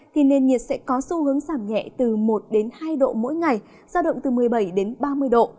thì nền nhiệt sẽ có xu hướng giảm nhẹ từ một đến hai độ mỗi ngày giao động từ một mươi bảy đến ba mươi độ